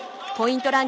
ポイント